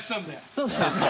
そうなんですか？